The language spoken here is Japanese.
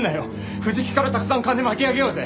藤木からたくさん金巻き上げようぜ。